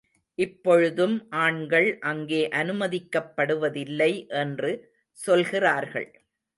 இப்பொழுதும் ஆண்கள் அங்கே அனுமதிக்கப்படுவதில்லை என்று சொல்கிறார்கள்.